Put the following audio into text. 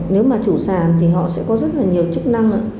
nếu mà chủ sản thì họ sẽ có rất là nhiều chức năng